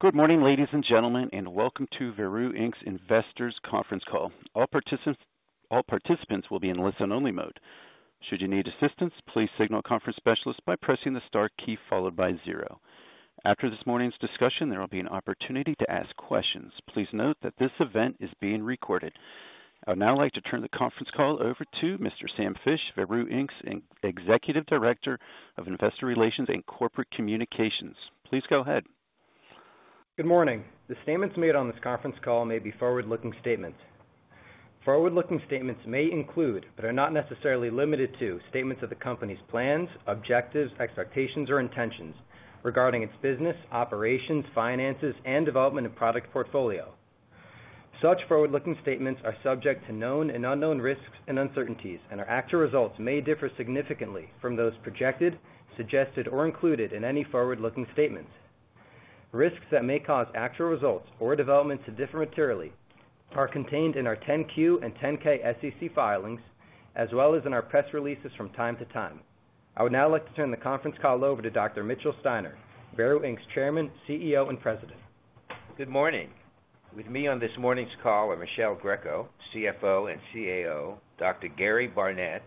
Good morning, ladies and gentlemen, and welcome to Veru, Inc's Investors Conference Call. All participants will be in listen-only mode. Should you need assistance, please signal a conference specialist by pressing the star key followed by 0. After this morning's discussion, there will be an opportunity to ask questions. Please note that this event is being recorded. I would now like to turn the conference call over to Mr. Samuel Fisch, Veru, Inc's Executive Director of Investor Relations and Corporate Communications. Please go ahead. Good morning. The statements made on this conference call may be forward-looking statements. Forward-looking statements may include, but are not necessarily limited to, statements of the company's plans, objectives, expectations, or intentions regarding its business, operations, finances, and development of product portfolio. Such forward-looking statements are subject to known and unknown risks and uncertainties, and our actual results may differ significantly from those projected, suggested, or included in any forward-looking statements. Risks that may cause actual results or developments to differ materially are contained in our 10-Q and 10-K SEC filings, as well as in our press releases from time to time. I would now like to turn the conference call over to Dr. Mitchell Steiner, Veru Inc.'s Chairman, CEO, and President. Good morning. With me on this morning's call are Michele Greco, CFO and CAO, Dr. Gary Barnette,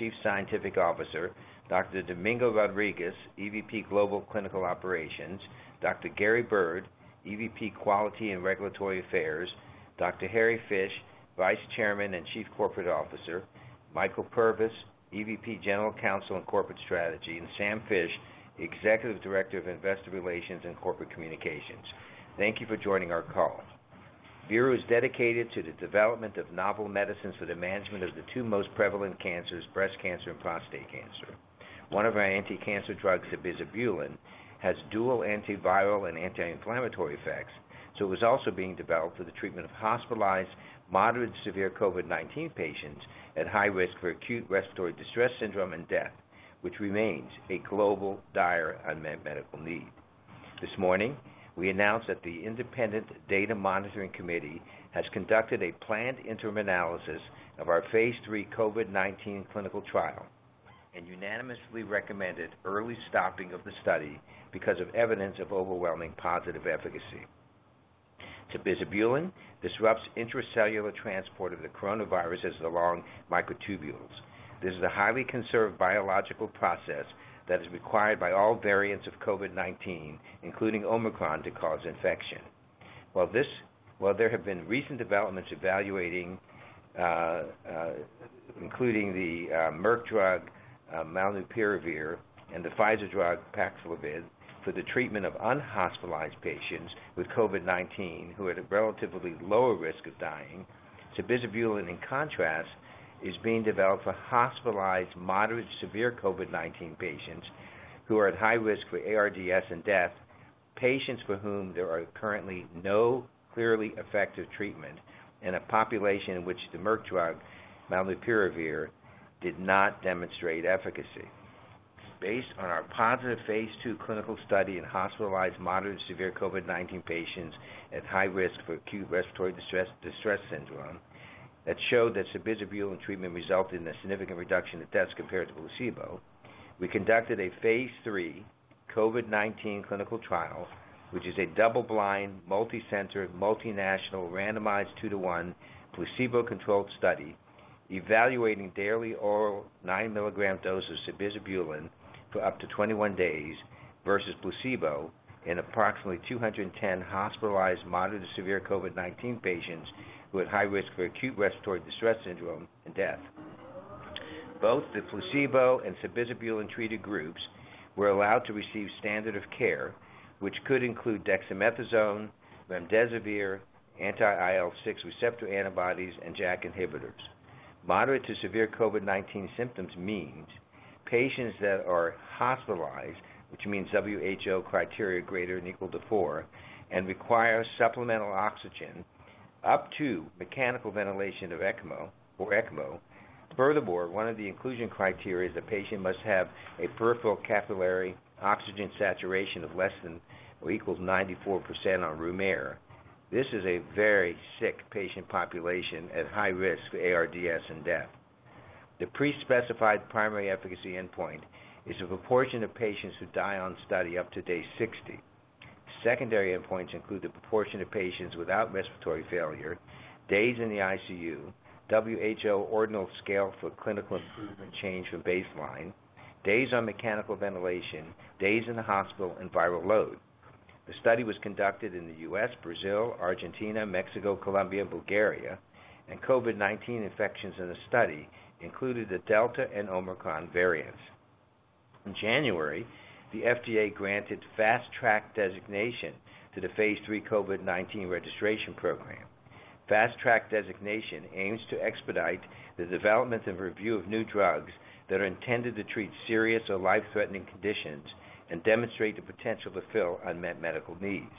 Chief Scientific Officer, Dr. Domingo Rodriguez, EVP, Global Clinical Operations, Dr. Gary Bird, EVP, Quality and Regulatory Affairs, Dr. Harry Fisch, Vice Chairman and Chief Corporate Officer, Michael Purvis, EVP, General Counsel and Corporate Strategy, and Sam Fisch, Executive Director of Investor Relations and Corporate Communications. Thank you for joining our call. Veru is dedicated to the development of novel medicines for the management of the two most prevalent cancers, breast cancer and prostate cancer. One of our anticancer drugs, sabizabulin, has dual antiviral and anti-inflammatory effects, so is also being developed for the treatment of hospitalized moderate to severe COVID-19 patients at high risk for acute respiratory distress syndrome and death, which remains a global dire unmet medical need. This morning, we announced that the Independent Data Monitoring Committee has conducted a planned interim analysis of our phase III COVID-19 clinical trial and unanimously recommended early stopping of the study because of evidence of overwhelming positive efficacy. Sabizabulin disrupts intracellular transport of the coronavirus along microtubules. This is a highly conserved biological process that is required by all variants of COVID-19, including Omicron, to cause infection. While there have been recent developments evaluating, including the Merck drug molnupiravir and the Pfizer drug PAXLOVID for the treatment of unhospitalized patients with COVID-19 who are at a relatively lower risk of dying, sabizabulin, in contrast, is being developed for hospitalized moderate to severe COVID-19 patients who are at high risk for ARDS and death, patients for whom there are currently no clearly effective treatment in a population in which the Merck drug molnupiravir did not demonstrate efficacy. Based on our positive phase II clinical study in hospitalized moderate to severe COVID-19 patients at high risk for acute respiratory distress syndrome that showed that sabizabulin treatment resulted in a significant reduction in deaths compared to placebo, we conducted a phase III COVID-19 clinical trial, which is a double-blind, multicenter, multinational randomized 2: 1 placebo-controlled study evaluating daily oral 9 mg doses of sabizabulin for up to 21 days versus placebo in approximately 210 hospitalized moderate to severe COVID-19 patients who had high risk for acute respiratory distress syndrome and death. Both the placebo and sabizabulin-treated groups were allowed to receive standard of care, which could include dexamethasone, remdesivir, anti-IL-6 receptor antibodies, and JAK inhibitors. Moderate to severe COVID-19 symptoms means patients that are hospitalized, which means WHO criteria greater than or equal to four, and require supplemental oxygen up to mechanical ventilation or ECMO. Furthermore, one of the inclusion criteria is the patient must have a peripheral capillary oxygen saturation of less than or equal to 94% on room air. This is a very sick patient population at high risk for ARDS and death. The pre-specified primary efficacy endpoint is the proportion of patients who die on study up to day 60. Secondary endpoints include the proportion of patients without respiratory failure, days in the ICU, WHO ordinal scale for clinical improvement change from baseline, days on mechanical ventilation, days in the hospital, and viral load. The study was conducted in the U.S., Brazil, Argentina, Mexico, Colombia, Bulgaria, and COVID-19 infections in the study included the Delta and Omicron variants. In January, the FDA granted Fast Track designation to the phase III COVID-19 registration program. Fast Track designation aims to expedite the development and review of new drugs that are intended to treat serious or life-threatening conditions and demonstrate the potential to fill unmet medical needs.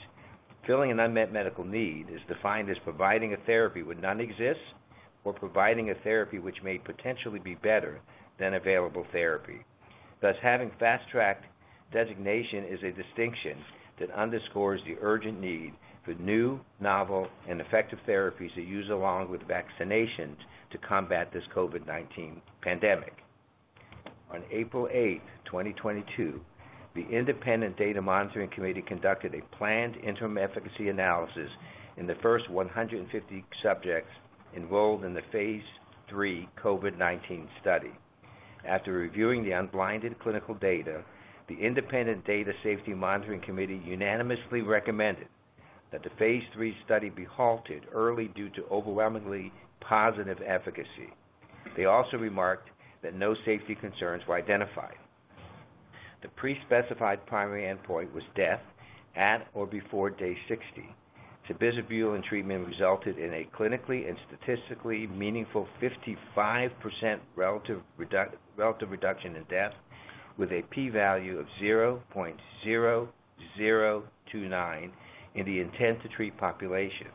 Filling an unmet medical need is defined as providing a therapy where none exists or providing a therapy which may potentially be better than available therapy. Thus, having Fast Track designation is a distinction that underscores the urgent need for new, novel, and effective therapies to use along with vaccinations to combat this COVID-19 pandemic. On April 8th, 2022, the independent data monitoring committee conducted a planned interim efficacy analysis in the first 150 subjects enrolled in the phase III COVID-19 study. After reviewing the unblinded clinical data, the independent data safety monitoring committee unanimously recommended that the phase III study be halted early due to overwhelmingly positive efficacy. They also remarked that no safety concerns were identified. The pre-specified primary endpoint was death at or before day 60. Sabizabulin treatment resulted in a clinically and statistically meaningful 55% relative reduction in death with a p-value of 0.0029 in the intent-to-treat population.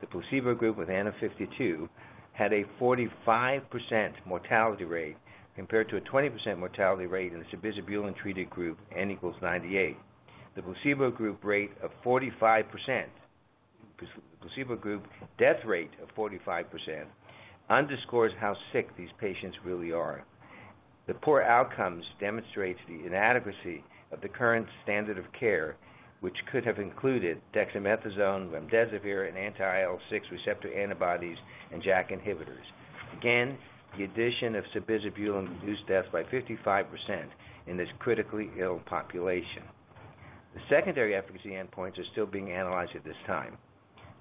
The placebo group with n=52 had a 45% mortality rate compared to a 20% mortality rate in the sabizabulin treated group, n=98. The placebo group rate of 45% underscores how sick these patients really are. The poor outcomes demonstrate the inadequacy of the current standard of care, which could have included dexamethasone, remdesivir, and anti-IL-6 receptor antibodies, and JAK inhibitors. Again, the addition of sabizabulin reduced death by 55% in this critically ill population. The secondary efficacy endpoints are still being analyzed at this time.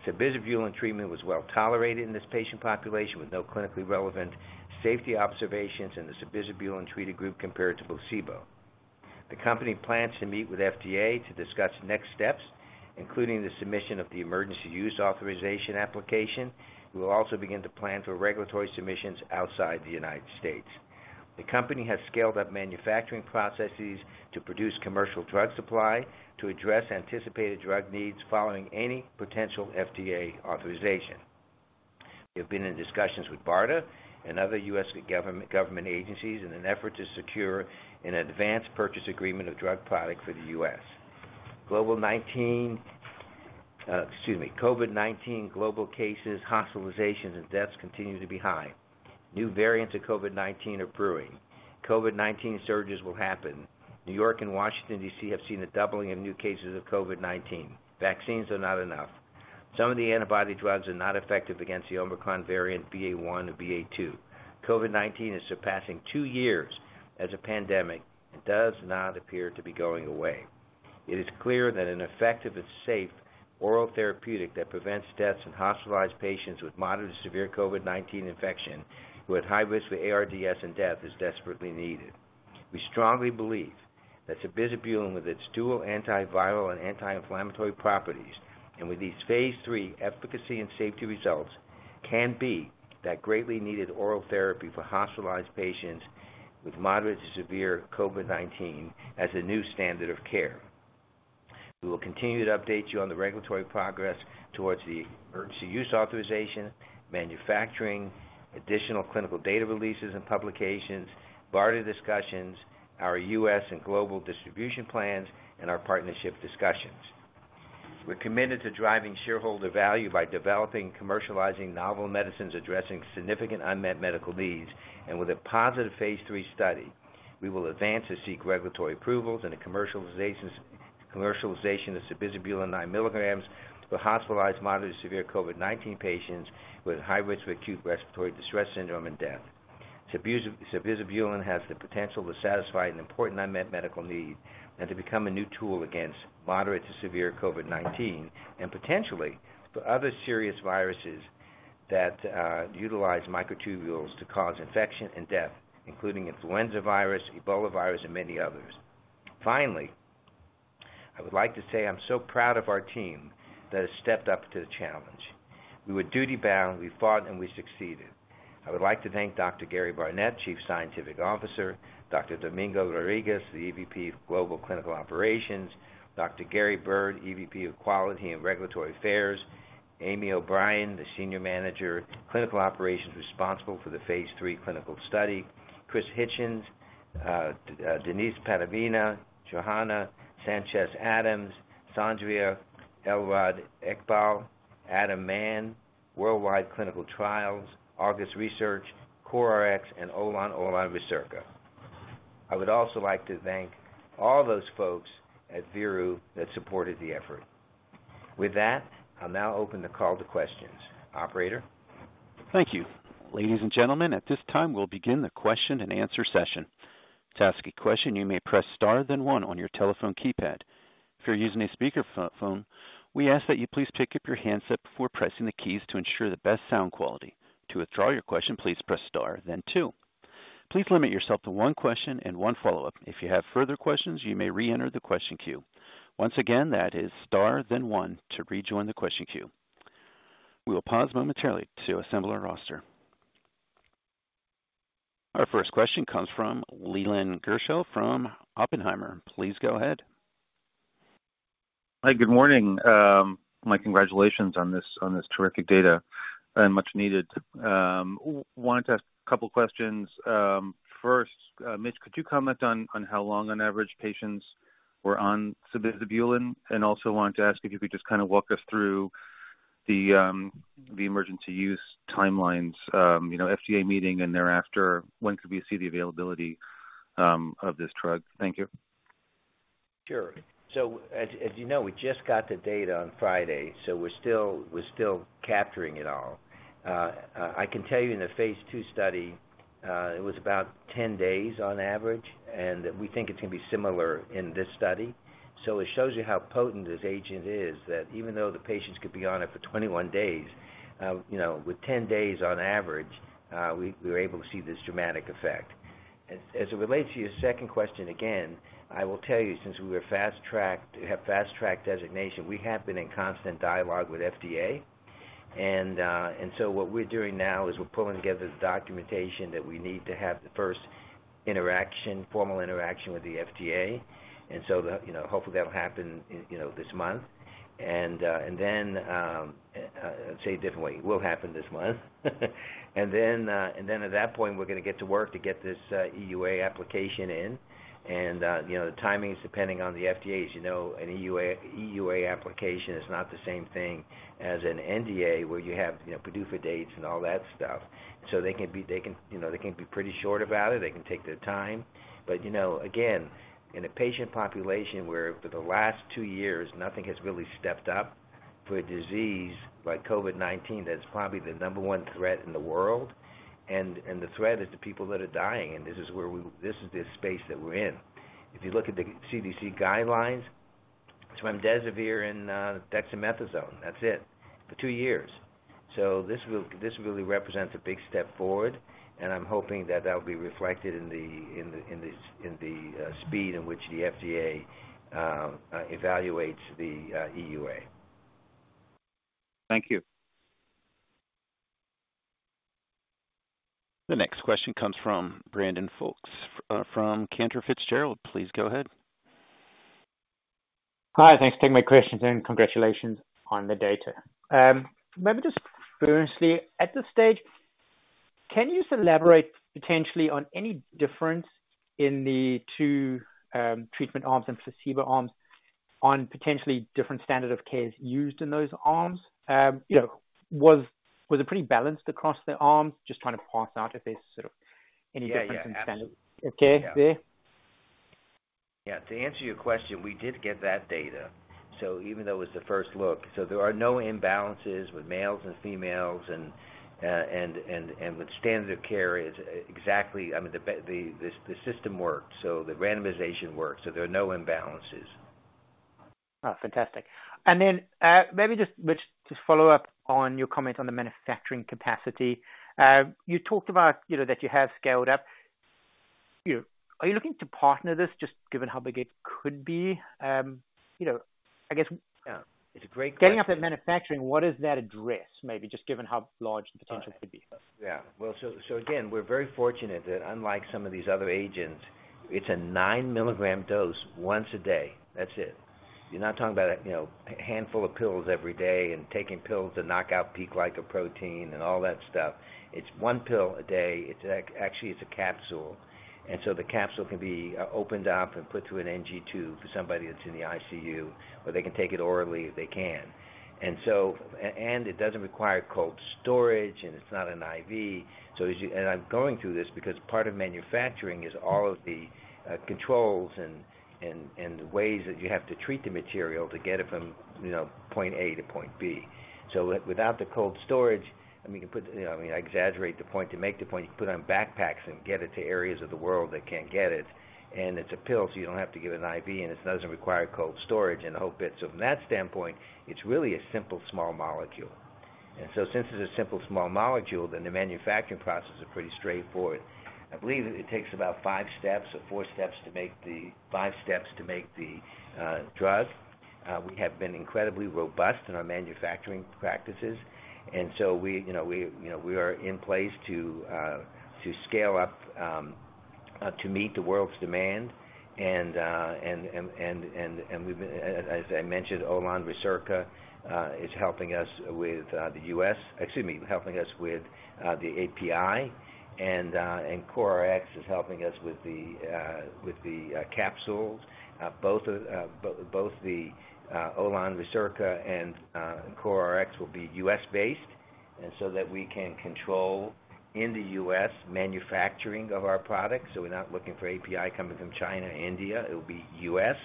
Sabizabulin treatment was well tolerated in this patient population with no clinically relevant safety observations in the sabizabulin treated group compared to placebo. The company plans to meet with FDA to discuss next steps, including the submission of the emergency use authorization application. We will also begin to plan for regulatory submissions outside the United States. The company has scaled up manufacturing processes to produce commercial drug supply to address anticipated drug needs following any potential FDA authorization. We have been in discussions with BARDA and other U.S. government agencies in an effort to secure an advanced purchase agreement of drug product for the U.S. COVID-19 global cases, hospitalizations, and deaths continue to be high. New variants of COVID-19 are brewing. COVID-19 surges will happen. New York and Washington, D.C. have seen a doubling of new cases of COVID-19. Vaccines are not enough. Some of the antibody drugs are not effective against the Omicron variant BA.1 and BA.2. COVID-19 is surpassing two years as a pandemic and does not appear to be going away. It is clear that an effective and safe oral therapeutic that prevents deaths in hospitalized patients with moderate to severe COVID-19 infection, who are at high risk for ARDS and death, is desperately needed. We strongly believe that sabizabulin, with its dual antiviral and anti-inflammatory properties, and with these phase III efficacy and safety results, can be that greatly needed oral therapy for hospitalized patients with moderate to severe COVID-19 as a new standard of care. We will continue to update you on the regulatory progress towards the emergency use authorization, manufacturing, additional clinical data releases and publications, BARDA discussions, our U.S. and global distribution plans, and our partnership discussions. We're committed to driving shareholder value by developing and commercializing novel medicines addressing significant unmet medical needs. With a positive phase III study, we will advance and seek regulatory approvals and the commercialization of sabizabulin 9 mg for hospitalized moderate to severe COVID-19 patients with high risk for acute respiratory distress syndrome and death. Sabizabulin has the potential to satisfy an important unmet medical need and to become a new tool against moderate to severe COVID-19, and potentially for other serious viruses that utilize microtubules to cause infection and death, including influenza virus, Ebola virus, and many others. Finally, I would like to say I'm so proud of our team that has stepped up to the challenge. We were duty-bound, we fought, and we succeeded. I would like to thank Dr. K. Gary Barnette, Chief Scientific Officer, Dr. Domingo Rodriguez, the EVP of Global Clinical Operations, Dr. Gary Bird, EVP of Quality and Regulatory Affairs, Amy O'Brien, the Senior Manager of Clinical Operations responsible for the phase III clinical study, Chris Hitchens, Denise Pattavina, Johanna Sanchez-Adams, Sandria Elrod Iqbal, Adam Mann, Worldwide Clinical Trials, August Research, CoreRx, and Olon Ricerca Bioscience. I would also like to thank all those folks at Veru that supported the effort. With that, I'll now open the call to questions. Operator? Thank you. Ladies and gentlemen, at this time, we'll begin the question and answer session. To ask a question, you may press star then one on your telephone keypad. If you're using a speakerphone, we ask that you please pick up your handset before pressing the keys to ensure the best sound quality. To withdraw your question, please press star then two. Please limit yourself to one question and one follow-up. If you have further questions, you may reenter the question queue. Once again, that is star then one to rejoin the question queue. We will pause momentarily to assemble our roster. Our first question comes from Leland Gerschel from Oppenheimer. Please go ahead. Hi, good morning. My congratulations on this terrific data and much needed. Wanted to ask a couple questions. First, Mitch, could you comment on how long on average patients were on sabizabulin? And also wanted to ask if you could just kind of walk us through The emergency use timelines, you know, FDA meeting and thereafter, when could we see the availability of this drug? Thank you. Sure. As you know, we just got the data on Friday, so we're still capturing it all. I can tell you in the phase II study, it was about 10 days on average, and we think it's gonna be similar in this study. It shows you how potent this agent is, that even though the patients could be on it for 21 days, you know, with 10 days on average, we were able to see this dramatic effect. As it relates to your second question, again, I will tell you, since we have Fast Track designation, we have been in constant dialogue with FDA. What we're doing now is we're pulling together the documentation that we need to have the first interaction, formal interaction with the FDA. Hopefully, that'll happen, you know, this month. It will happen this month. Then at that point, we're gonna get to work to get this EUA application in. You know, the timing is depending on the FDA. As you know, an EUA application is not the same thing as an NDA, where you have, you know, PDUFA dates and all that stuff. They can, you know, be pretty short about it. They can take their time. You know, again, in a patient population where for the last two years nothing has really stepped up for a disease like COVID-19, that's probably the number one threat in the world. The threat is the people that are dying. This is the space that we're in. If you look at the CDC guidelines, it's remdesivir and dexamethasone. That's it, for two years. This really represents a big step forward, and I'm hoping that will be reflected in the speed in which the FDA evaluates the EUA. Thank you. The next question comes from Brandon Folkes from Cantor Fitzgerald. Please go ahead. Hi, thanks for taking my questions, and congratulations on the data. Maybe just curiously, at this stage, can you elaborate potentially on any difference in the two treatment arms and placebo arms on potentially different standard of care used in those arms? Was it pretty balanced across the arms? Just trying to parse out if there's sort of any difference- Yeah, yeah. In standard of care there. Yeah. To answer your question, we did get that data. Even though it was the first look, there are no imbalances with males and females, and with standard of care, it's exactly. I mean, the system worked. The randomization worked, so there are no imbalances. Oh, fantastic. Maybe just to follow up on your comment on the manufacturing capacity. You talked about, you know, that you have scaled up. Are you looking to partner this just given how big it could be? You know, I guess- Yeah. It's a great question. Getting up and manufacturing, what does that address? Maybe just given how large the potential could be. Again, we're very fortunate that unlike some of these other agents, it's a 9 mg dose once a day. That's it. You're not talking about a handful of pills every day and taking pills to knock out P-glycoprotein and all that stuff. It's one pill a day. It's actually a capsule. The capsule can be opened up and put through an NG tube for somebody that's in the ICU, or they can take it orally if they can. It doesn't require cold storage, and it's not an IV. I'm going through this because part of manufacturing is all of the controls and the ways that you have to treat the material to get it from point A to point B. Without the cold storage, I mean, you know, I mean, I exaggerate the point to make the point. You can put it on backpacks and get it to areas of the world that can't get it. It's a pill, so you don't have to give an IV, and it doesn't require cold storage and the whole bit. From that standpoint, it's really a simple small molecule. Since it's a simple small molecule, the manufacturing process is pretty straightforward. I believe it takes about five steps or four steps to make the drug. We have been incredibly robust in our manufacturing practices, and so we, you know, are in place to scale up to meet the world's demand. As I mentioned, Olon Ricerca Bioscience is helping us with the U.S. Excuse me, helping us with the API, and CoreRx is helping us with the capsules. Both Olon Ricerca Bioscience and CoreRx will be U.S.-based, so that we can control the U.S. manufacturing of our products, so we're not looking for API coming from China or India. It'll be U.S.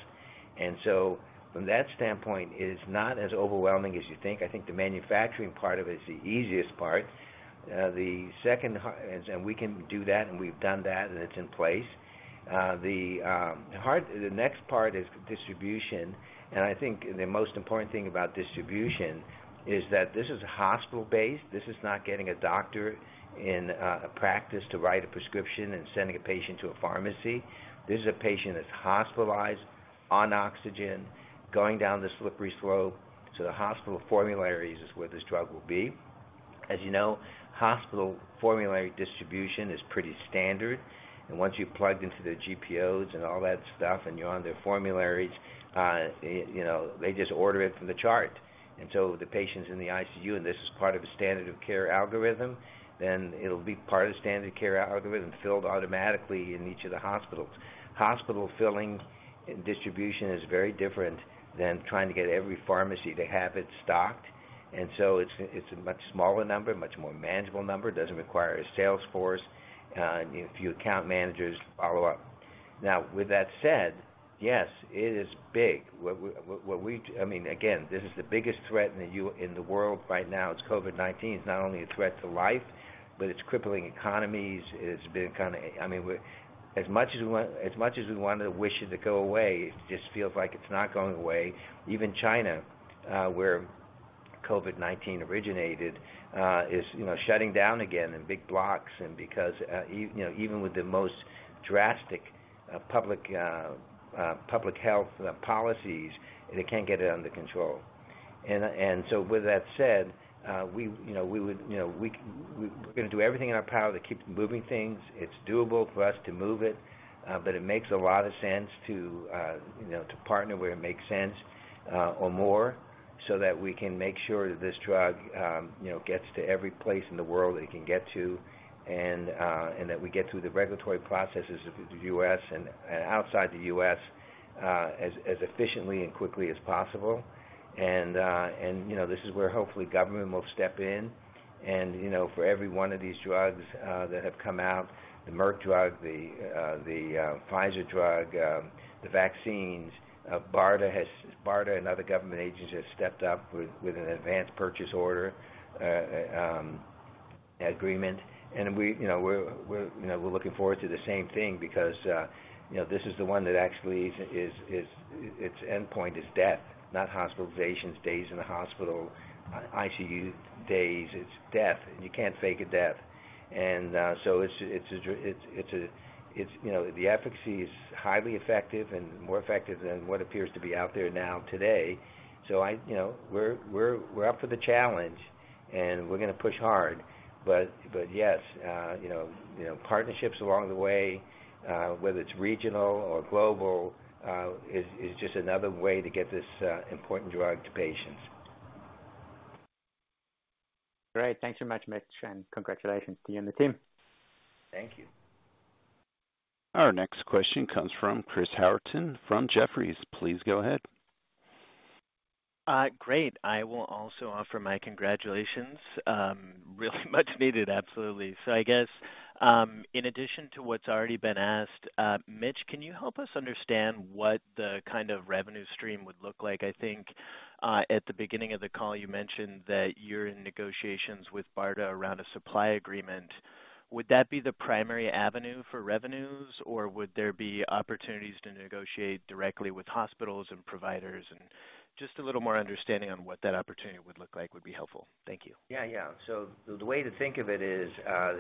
From that standpoint, it is not as overwhelming as you think. I think the manufacturing part of it is the easiest part. We can do that, and we've done that, and it's in place. The next part is distribution. I think the most important thing about distribution is that this is hospital-based. This is not getting a doctor in a practice to write a prescription and sending a patient to a pharmacy. This is a patient that's hospitalized, on oxygen, going down the slippery slope to the hospital formularies is where this drug will be. As you know, hospital formulary distribution is pretty standard. Once you've plugged into the GPOs and all that stuff and you're on their formularies, you know, they just order it from the chart. The patients in the ICU, and this is part of a standard of care algorithm, then it'll be part of the standard care algorithm filled automatically in each of the hospitals. Hospital fulfillment and distribution is very different than trying to get every pharmacy to have it stocked. It's a much smaller number, much more manageable number, doesn't require a sales force, and a few account managers follow up. Now, with that said, yes, it is big. What we... I mean, again, this is the biggest threat in the world right now. It's COVID-19. It's not only a threat to life, but it's crippling economies. It's been kinda. I mean, as much as we want, as much as we wanna wish it to go away, it just feels like it's not going away. Even China, where COVID-19 originated, is, you know, shutting down again in big blocks and because, you know, even with the most drastic public health policies, they can't get it under control. With that said, we, you know, we're gonna do everything in our power to keep moving things. It's doable for us to move it, but it makes a lot of sense to, you know, to partner where it makes sense, or more so that we can make sure that this drug, you know, gets to every place in the world it can get to, and that we get through the regulatory processes of the U.S. and outside the U.S., as efficiently and quickly as possible. You know, this is where hopefully government will step in and you know, for every one of these drugs that have come out, the Merck drug, the Pfizer drug, the vaccines, BARDA and other government agencies have stepped up with an advanced purchase order agreement. We you know, we're looking forward to the same thing because you know, this is the one that actually is its endpoint is death, not hospitalizations, days in the hospital, ICU days. It's death. You can't fake a death. It's a. It's you know, the efficacy is highly effective and more effective than what appears to be out there now today. I, you know, we're up for the challenge, and we're gonna push hard. Yes, you know, partnerships along the way, whether it's regional or global, is just another way to get this important drug to patients. Great. Thanks so much, Mitch, and congratulations to you and the team. Thank you. Our next question comes from Chris Howerton from Jefferies. Please go ahead. Great. I will also offer my congratulations, really much needed, absolutely. I guess, in addition to what's already been asked, Mitch, can you help us understand what the kind of revenue stream would look like? I think, at the beginning of the call, you mentioned that you're in negotiations with BARDA around a supply agreement. Would that be the primary avenue for revenues, or would there be opportunities to negotiate directly with hospitals and providers? Just a little more understanding on what that opportunity would look like would be helpful. Thank you. Yeah. The way to think of it is,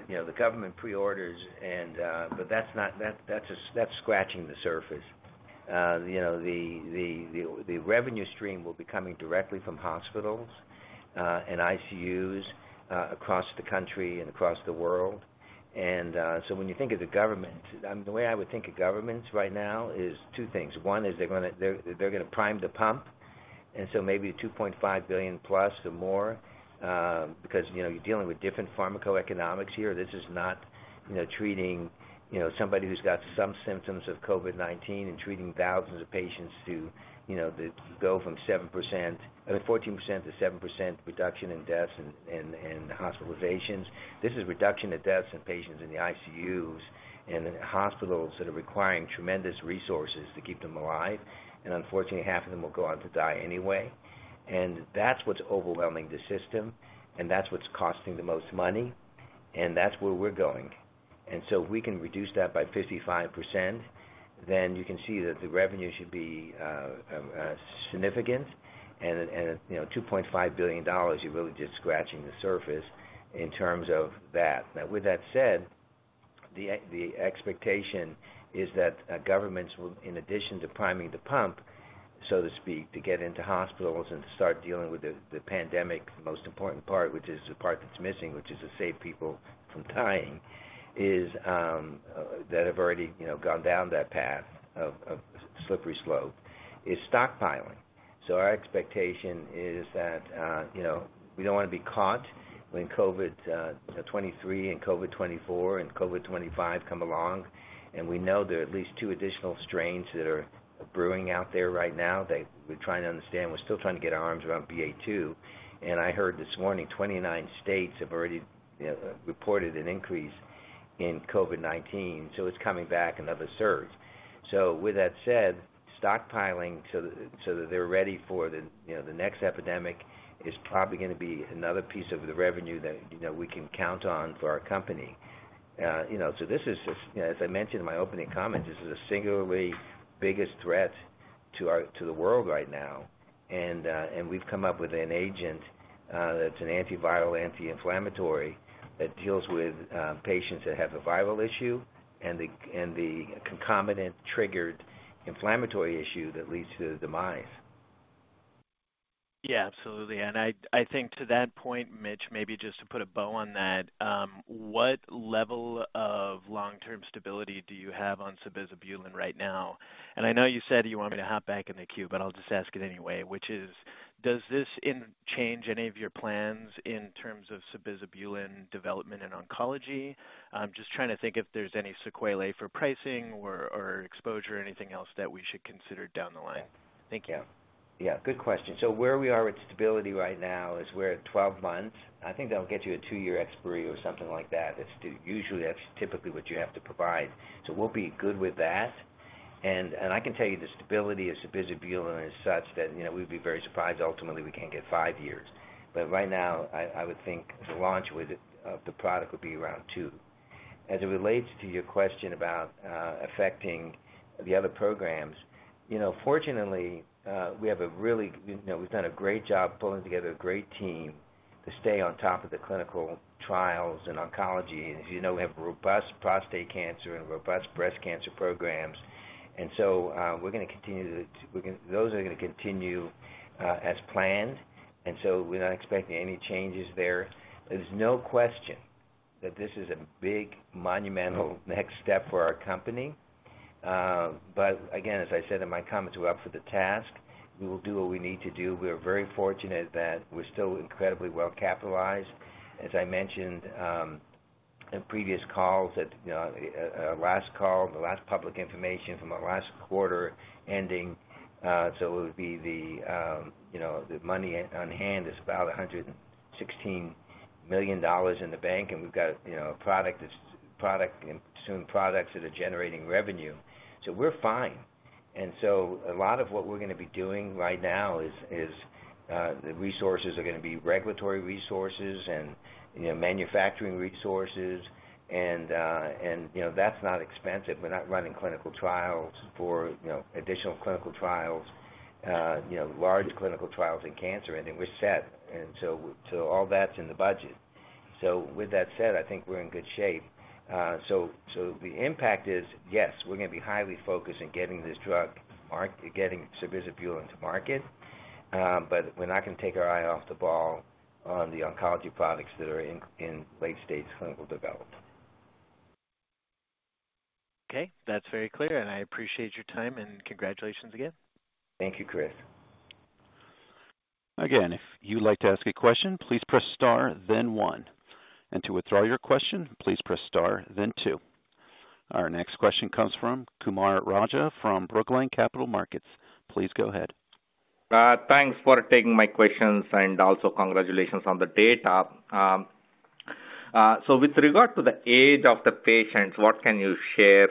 you know, the government pre-orders and but that's not that. That's just scratching the surface. You know, the revenue stream will be coming directly from hospitals and ICUs across the country and across the world. When you think of the government, the way I would think of governments right now is two things. One is they're gonna prime the pump, and so maybe $2.5 billion or more, because, you know, you're dealing with different pharmacoeconomics here. This is not, you know, treating somebody who's got some symptoms of COVID-19 and treating thousands of patients to go from 14% to 7% reduction in deaths and hospitalizations. This is reduction of deaths in patients in the ICUs and in hospitals that are requiring tremendous resources to keep them alive, and unfortunately, half of them will go on to die anyway. That's what's overwhelming the system, and that's what's costing the most money, and that's where we're going. If we can reduce that by 55%, then you can see that the revenue should be significant and, you know, $2.5 billion, you're really just scratching the surface in terms of that. Now, with that said, the expectation is that governments will, in addition to priming the pump, so to speak, to get into hospitals and to start dealing with the pandemic, the most important part, which is the part that's missing, which is to save people from dying, is that have already you know gone down that path of slippery slope, is stockpiling. Our expectation is that you know we don't wanna be caught when COVID-23 and COVID-24 and COVID-25 come along. We know there are at least two additional strains that are brewing out there right now that we're trying to understand. We're still trying to get our arms around BA.2. I heard this morning, 29 states have already reported an increase in COVID-19, so it's coming back, another surge. With that said, stockpiling so that they're ready for the, you know, the next epidemic is probably gonna be another piece of the revenue that, you know, we can count on for our company. This is just, you know, as I mentioned in my opening comments, this is the singularly biggest threat to the world right now. We've come up with an agent that's an antiviral, anti-inflammatory that deals with patients that have a viral issue and the concomitant triggered inflammatory issue that leads to their demise. Yeah, absolutely. I think to that point, Mitch, maybe just to put a bow on that, what level of long-term stability do you have on sabizabulin right now? I know you said you want me to hop back in the queue, but I'll just ask it anyway, which is, does this change any of your plans in terms of sabizabulin development in oncology? I'm just trying to think if there's any sequelae for pricing or exposure, anything else that we should consider down the line. Thank you. Yeah, good question. Where we are with stability right now is we're at 12 months. I think that'll get you a two-year expiry or something like that. Usually, that's typically what you have to provide. We'll be good with that. I can tell you the stability of sabizabulin is such that, you know, we'd be very surprised ultimately we can't get five years. Right now, I would think the launch with it, of the product would be around two. As it relates to your question about affecting the other programs, you know, fortunately, we have a really you know we've done a great job pulling together a great team to stay on top of the clinical trials in oncology. As you know, we have robust prostate cancer and robust breast cancer programs. Those are gonna continue as planned. We're not expecting any changes there. There's no question that this is a big, monumental next step for our company. Again, as I said in my comments, we're up for the task. We will do what we need to do. We are very fortunate that we're still incredibly well capitalized. As I mentioned in previous calls, that last call, the last public information from our last quarter ending, the money on hand is about $116 million in the bank, and we've got, you know, a product and soon products that are generating revenue. We're fine. A lot of what we're gonna be doing right now is the resources are gonna be regulatory resources and, you know, manufacturing resources, and you know, that's not expensive. We're not running clinical trials for, you know, additional clinical trials, you know, large clinical trials in cancer, I think we're set. All that's in the budget. With that said, I think we're in good shape. The impact is, yes, we're gonna be highly focused in getting sabizabulin to market, but we're not gonna take our eye off the ball on the oncology products that are in late-stage clinical development. Okay. That's very clear, and I appreciate your time, and congratulations again. Thank you, Chris. Our next question comes from Kumar Raja from Brookline Capital Markets. Please go ahead. Thanks for taking my questions, and also congratulations on the data. With regard to the age of the patients, what can you share,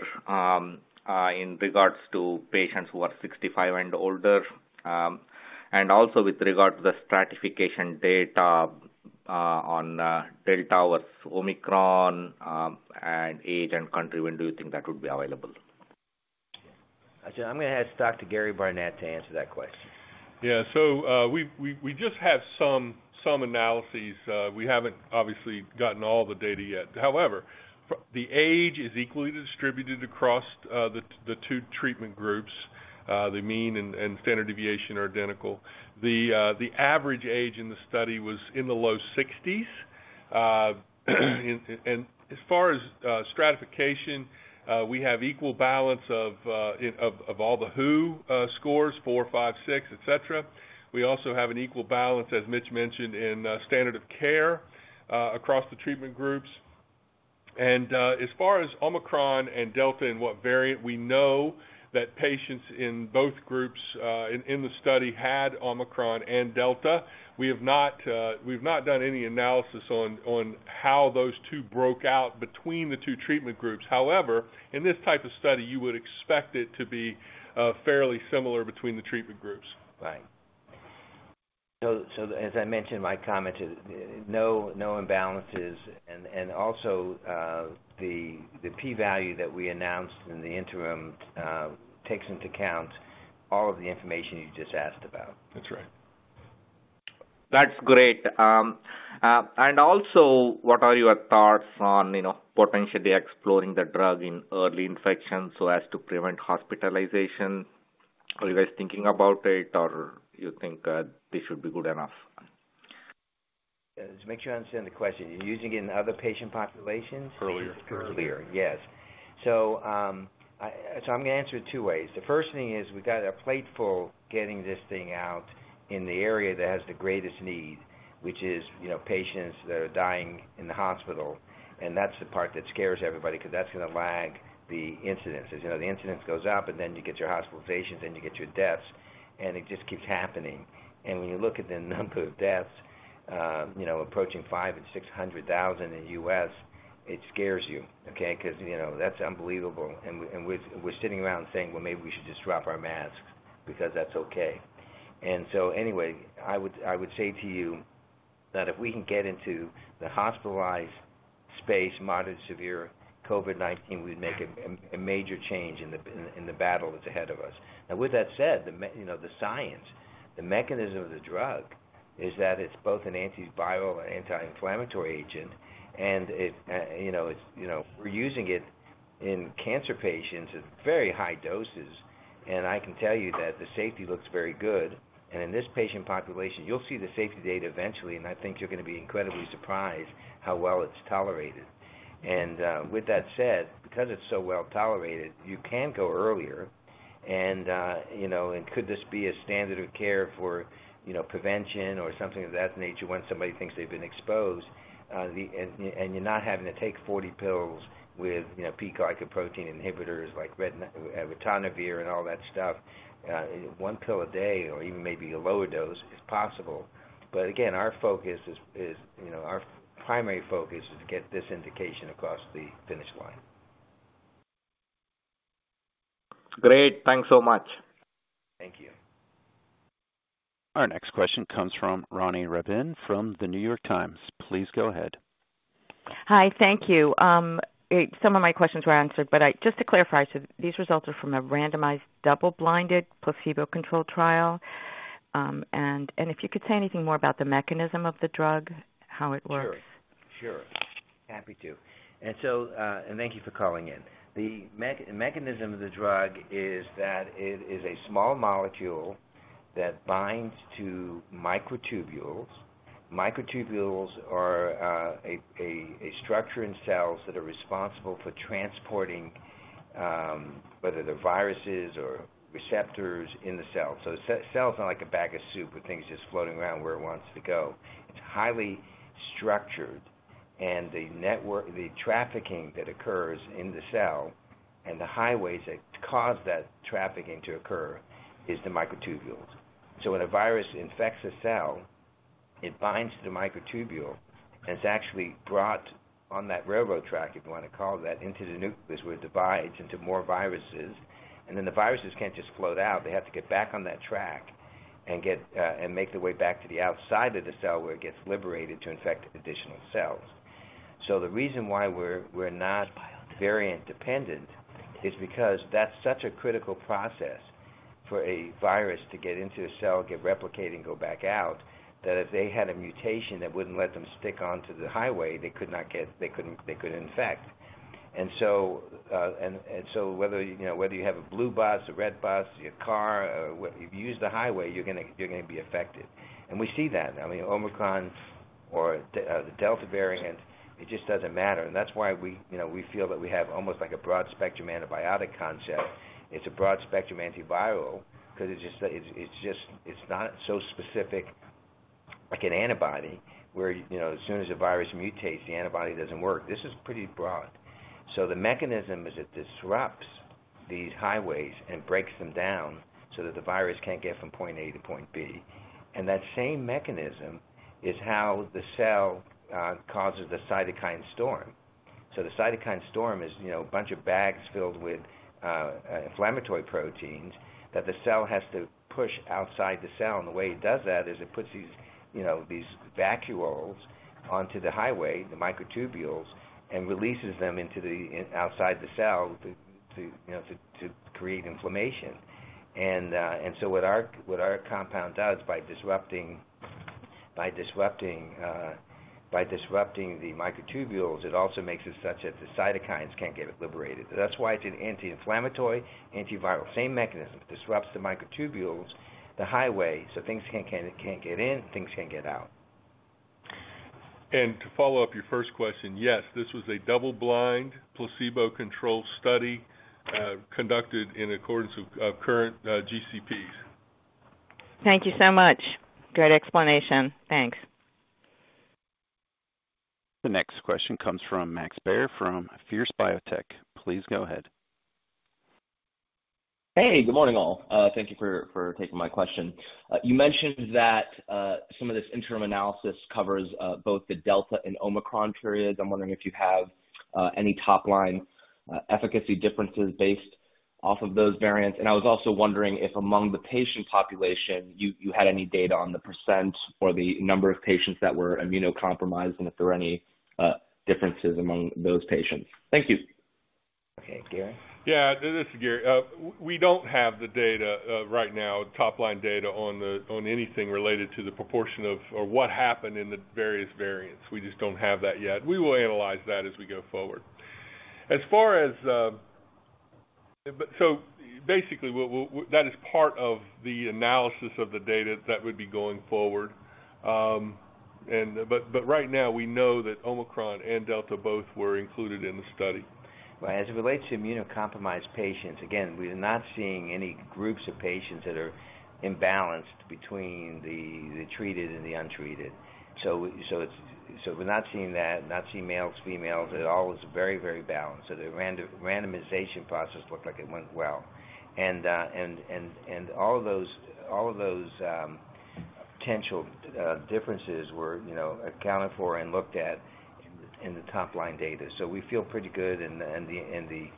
in regards to patients who are 65 and older? With regard to the stratification data, on Delta with Omicron, and age and country, when do you think that would be available? I said I'm gonna ask Dr. K. Gary Barnette to answer that question. Yeah. We just have some analyses. We haven't obviously gotten all the data yet. However, the age is equally distributed across the two treatment groups. The mean and standard deviation are identical. The average age in the study was in the low sixties. As far as stratification, we have equal balance of all the WHO scores, four, five, six, et cetera. We also have an equal balance, as Mitch mentioned, in standard of care across the treatment groups. As far as Omicron and Delta and what variant, we know that patients in both groups in the study had Omicron and Delta. We have not, we've not done any analysis on how those two broke out between the two treatment groups. However, in this type of study, you would expect it to be fairly similar between the treatment groups. Right. As I mentioned in my comment, no imbalances. Also, the p-value that we announced in the interim takes into account all of the information you just asked about. That's right. That's great. And also, what are your thoughts on, you know, potentially exploring the drug in early infections so as to prevent hospitalization? Are you guys thinking about it, or you think this should be good enough? Just make sure I understand the question. You're using it in other patient populations? Earlier. Earlier. Yes. I'm gonna answer it two ways. The first thing is we've got a plateful getting this thing out in the area that has the greatest need, which is, you know, patients that are dying in the hospital. That's the part that scares everybody 'cause that's gonna lag the incidences. You know, the incidence goes up, and then you get your hospitalizations, then you get your deaths, and it just keeps happening. When you look at the number of deaths, you know, approaching 500,000 and 600,000 in the U.S., it scares you, okay? 'Cause, you know, that's unbelievable. We're sitting around saying, "Well, maybe we should just drop our masks because that's okay." Anyway, I would say to you that if we can get into the hospitalized space, moderate, severe COVID-19, we'd make a major change in the battle that's ahead of us. Now, with that said, you know, the science, the mechanism of the drug is that it's both an antiviral and anti-inflammatory agent, and it, you know, it's, you know, we're using it in cancer patients at very high doses, and I can tell you that the safety looks very good. In this patient population, you'll see the safety data eventually, and I think you're gonna be incredibly surprised how well it's tolerated. With that said, because it's so well tolerated, you can go earlier and, you know, and could this be a standard of care for, you know, prevention or something of that nature when somebody thinks they've been exposed? You're not having to take 40 pills with, you know, P-glycoprotein inhibitors like ritonavir and all that stuff. One pill a day or even maybe a lower dose is possible. But again, our focus is, you know, our primary focus is to get this indication across the finish line. Great. Thanks so much. Thank you. Our next question comes from Roni Rabin from The New York Times. Please go ahead. Hi. Thank you. Some of my questions were answered, just to clarify, these results are from a randomized double-blinded placebo-controlled trial. If you could say anything more about the mechanism of the drug, how it works. Sure. Happy to. Thank you for calling in. The mechanism of the drug is that it is a small molecule that binds to microtubules. Microtubules are a structure in cells that are responsible for transporting whether they're viruses or receptors in the cell. A cell's not like a bag of soup with things just floating around where it wants to go. It's highly structured. The network, the trafficking that occurs in the cell and the highways that cause that trafficking to occur is the microtubules. When a virus infects a cell, it binds to the microtubule, and it's actually brought on that railroad track, if you wanna call it that, into the nucleus, where it divides into more viruses. Then the viruses can't just float out. They have to get back on that track and get and make their way back to the outside of the cell, where it gets liberated to infect additional cells. The reason why we're not variant dependent is because that's such a critical process for a virus to get into a cell, get replicated, and go back out, that if they had a mutation that wouldn't let them stick onto the highway, they couldn't infect. Whether you know whether you have a blue bus, a red bus, your car, if you use the highway, you're gonna be affected. We see that. I mean, Omicron or the Delta variant, it just doesn't matter. That's why we, you know, we feel that we have almost like a broad-spectrum antibiotic concept. It's a broad-spectrum antiviral 'cause it's just not so specific like an antibody where, you know, as soon as the virus mutates, the antibody doesn't work. This is pretty broad. The mechanism is it disrupts these highways and breaks them down so that the virus can't get from point A to point B. That same mechanism is how the cell causes the cytokine storm. The cytokine storm is, you know, a bunch of bags filled with inflammatory proteins that the cell has to push outside the cell. The way it does that is it puts these, you know, these vacuoles onto the highway, the microtubules, and releases them into the outside the cell to, you know, to create inflammation. What our compound does by disrupting the microtubules, it also makes it such that the cytokines can't get liberated. That's why it's an anti-inflammatory antiviral. Same mechanism. Disrupts the microtubules, the highway, so things can't get in, things can't get out. To follow up your first question, yes, this was a double-blind placebo-controlled study, conducted in accordance with current GCPs. Thank you so much. Great explanation. Thanks. The next question comes from Max Bayer from Fierce Biotech. Please go ahead. Hey, good morning, all. Thank you for taking my question. You mentioned that some of this interim analysis covers both the Delta and Omicron periods. I'm wondering if you have any top-line efficacy differences based off of those variants. I was also wondering if, among the patient population, you had any data on the percent or the number of patients that were immunocompromised, and if there are any differences among those patients. Thank you. Okay. Gary? Yeah, this is Gary. We don't have the data right now, top-line data on anything related to the proportion of or what happened in the various variants. We just don't have that yet. We will analyze that as we go forward. As far as that is part of the analysis of the data that would be going forward. Right now, we know that Omicron and Delta both were included in the study. Well, as it relates to immunocompromised patients, again, we're not seeing any groups of patients that are imbalanced between the treated and the untreated. We're not seeing that, not seeing males, females. It all is very, very balanced. The randomization process looked like it went well. All of those potential differences were, you know, accounted for and looked at in the top-line data. We feel pretty good. The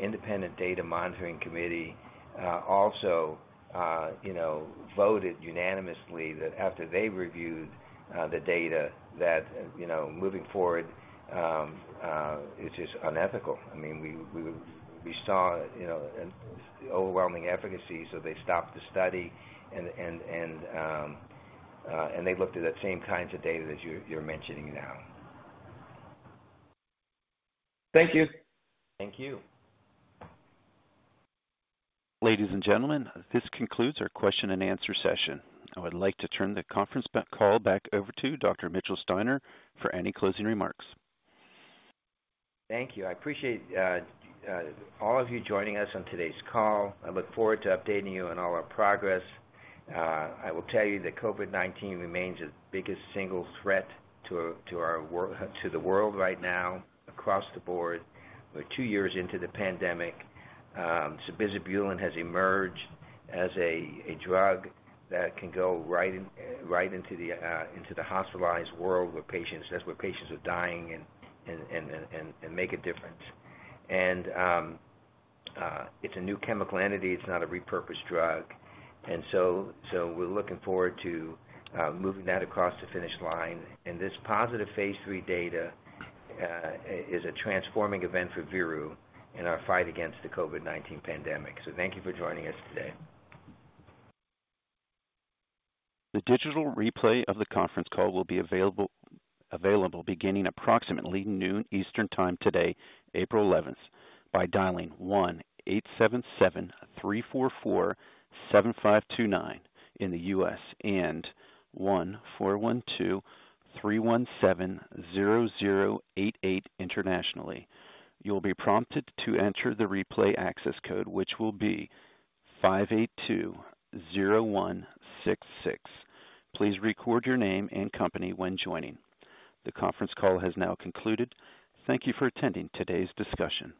independent data monitoring committee also, you know, voted unanimously that after they reviewed the data that, you know, moving forward, it's just unethical. I mean, we saw, you know, overwhelming efficacy, so they stopped the study and they looked at that same kinds of data that you're mentioning now. Thank you. Thank you. Ladies and gentlemen, this concludes our question-and-answer session. I would like to turn the conference call back over to Dr. Mitchell Steiner for any closing remarks. Thank you. I appreciate all of you joining us on today's call. I look forward to updating you on all our progress. I will tell you that COVID-19 remains the biggest single threat to the world right now across the board. We're two years into the pandemic. Sabizabulin has emerged as a drug that can go right in, right into the hospitalized world, where patients are dying and make a difference. It's a new chemical entity. It's not a repurposed drug. We're looking forward to moving that across the finish line. This positive phase III data is a transforming event for Veru in our fight against the COVID-19 pandemic. Thank you for joining us today. The digital replay of the conference call will be available beginning approximately noon Eastern Time today, April eleventh, by dialing 1-877-344-7529 in the U.S. and 1-412-317-0088 internationally. You will be prompted to enter the replay access code, which will be 582-0166. Please record your name and company when joining. The conference call has now concluded. Thank you for attending today's discussion.